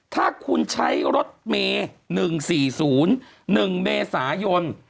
ถ้าคุณใช้รถเมย์๑๔๐๑เมษายน